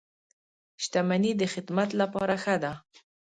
• شتمني د خدمت لپاره ښه ده.